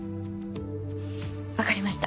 わかりました。